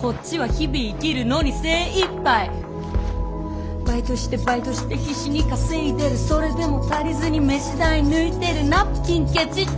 こっちは日々生きるのに精いっぱいバイトしてバイトして必死に稼いでるそれでも足りずに飯代抜いてるナプキンケチって